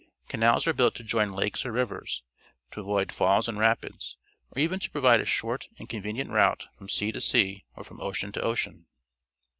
Canals are built to' join lakes or rivers, to avoid falls and rapids, or even to provide a short and convenient route from sea to sea or from ocean to ocean.